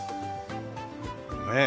ねえ。